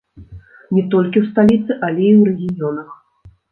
Не толькі ў сталіцы, але і ў рэгіёнах.